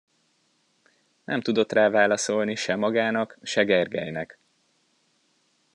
Nem tudott rá válaszolni se magának, se Gergelynek.